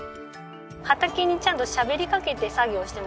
畑にちゃんとしゃべりかけて作業してましたね